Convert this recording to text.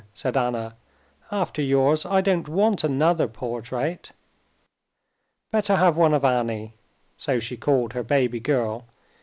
said Anna. "After yours I don't want another portrait. Better have one of Annie" (so she called her baby girl).